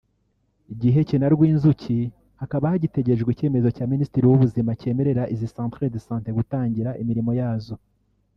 Giheke na Rwinzuki hakaba hagitegerejwe icyemezo cya Minisitiri w’Ubuzima cyemerera izi Centres de Santé gutangira imirimo yazo